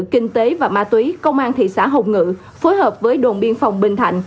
kinh tế và ma túy công an thị xã hồng ngự phối hợp với đồn biên phòng bình thạnh